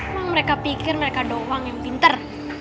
emang mereka pikir mereka doang yang pinter